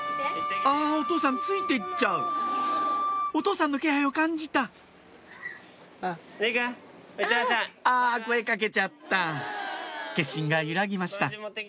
あっお父さんついてっちゃうお父さんの気配を感じたあぁ声かけちゃった決心が揺らぎました